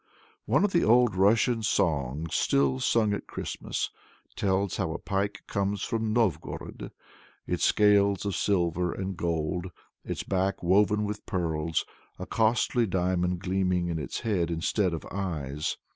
One of the old Russian songs still sung at Christmas, tells how a Pike comes from Novgorod, its scales of silver and gold, its back woven with pearls, a costly diamond gleaming in its head instead of eyes.